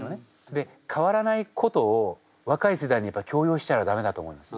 で変わらないことを若い世代にやっぱ強要したら駄目だと思うんです。